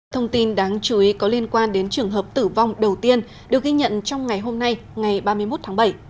thông tin đáng chú ý có liên quan đến trường hợp tử vong đầu tiên được ghi nhận trong ngày hôm nay ngày ba mươi một tháng bảy